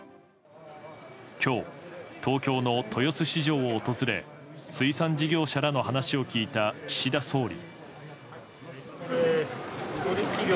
今日、東京の豊洲市場を訪れ水産事業者らの話を聞いた岸田総理。